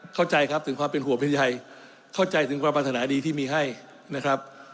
เข้าใจครับถึงความเป็นห่วงเป็นใยเข้าใจถึงความปรารถนาดีที่มีให้นะครับ